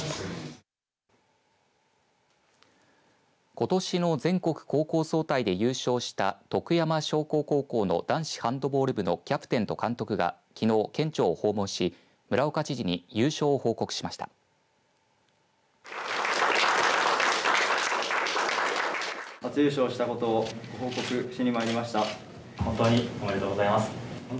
ことしの全国高校総体で優勝した徳山商工高校の男子ハンドボール部のキャプテンと監督がきのう県庁を訪問し村岡知事に優勝を報告しました。